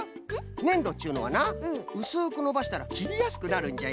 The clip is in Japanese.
ねんどっちゅうのはなうすくのばしたらきりやすくなるんじゃよ。